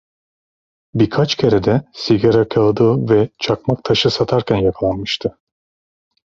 Birkaç kere de sigara kağıdı ve çakmaktaşı satarken yakalanmıştı.